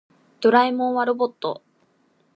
ドラえもんはロボット。